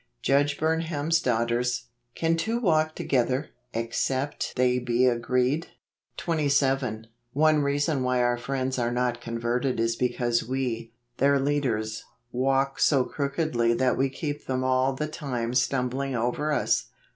Judge Burnham's Daughters. " Can tiro walk together , except they he agreed ?" 27. One reason why our friends are not converted is because we, their leaders, walk so crookedly that we keep them all the time stumbling over us.